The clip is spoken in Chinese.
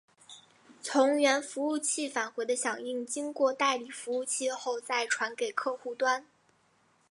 从源服务器返回的响应经过代理服务器后再传给客户端。